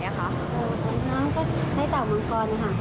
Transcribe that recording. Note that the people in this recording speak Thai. อืมคุณน้าก็ใช้เต่ามังกรค่ะ